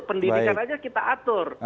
pendidikan saja kita atur